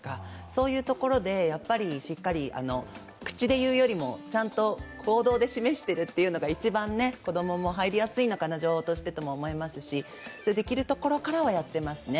そういうところでしっかり、口で言うよりもちゃんと行動で示しているというのが一番子供も情報として入りやすいのかなと思いますし、できるところからはやってますね。